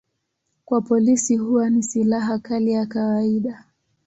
Kwa polisi huwa ni silaha kali ya kawaida.